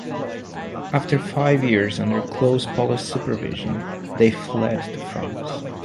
After five years under close police supervision, they fled to France.